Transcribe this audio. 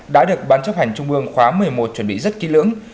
đã được ban chấp hành trung ương khóa một mươi một chuẩn bị rất kỹ lưỡng